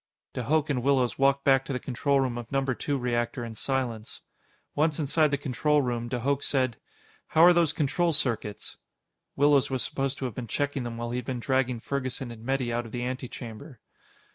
De Hooch and Willows walked back to the control room of Number Two Reactor in silence. Once inside the control room, de Hooch said: "How are those control circuits?" Willows was supposed to have been checking them while he had been dragging Ferguson and Metty out of the antechamber.